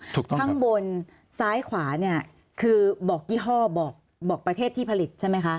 ข้างบนซ้ายขวาเนี่ยคือบอกยี่ห้อบอกประเทศที่ผลิตใช่ไหมคะ